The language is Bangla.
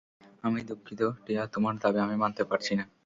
আমি দুঃখিত, টিয়া, তোমারদাবী আমি মানতে পারছি না।